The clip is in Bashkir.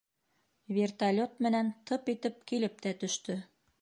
Вертолет менән тып итеп килеп тә төштө.